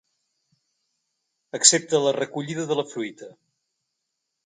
Excepte la recollida de la fruita.